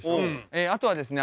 あとはですね